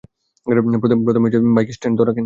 প্রথমে বাইকটা স্ট্যান্ডে তো রাখেন।